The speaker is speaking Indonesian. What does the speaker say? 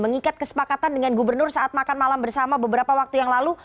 mengikat kesepakatan dengan gubernur saat makan malam bersama beberapa waktu yang lalu